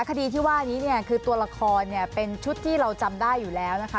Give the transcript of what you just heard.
คดีที่ว่านี้เนี่ยคือตัวละครเนี่ยเป็นชุดที่เราจำได้อยู่แล้วนะคะ